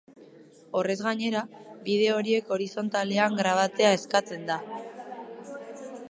Horrez gainera, bideo horiek horizontalean grabatzea eskatzen da.